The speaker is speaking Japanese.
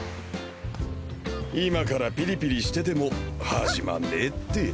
今からピリピリしてても始まんねって。